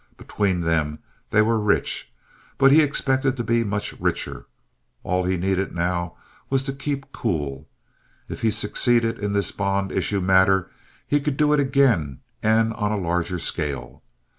Between them they were rich; but he expected to be much richer. All he needed now was to keep cool. If he succeeded in this bond issue matter, he could do it again and on a larger scale.